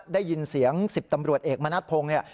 ได้ยินเสียง๑๐ตำรวจเอกมณัฐพงศ์เนี่ย